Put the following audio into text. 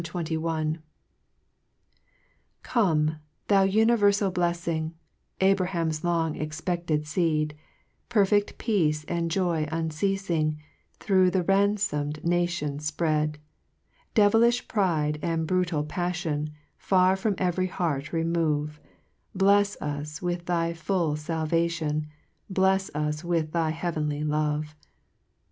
HYMN XXL 1 flOME, thou univerl'al Bleffing, Vy Abraham's Ion g. expected Seed ; Perfect p< ace and joy unceafing Through the ranfom'd nations fpread Devilifli pride, and brutal palfion, Far from every heart remove; Blefs us with thy full falvation, Blefs us with thy heavenly love.